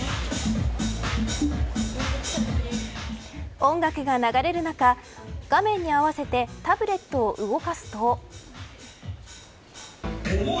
音楽が流れる中画面に合わせてタブレットを動かすと。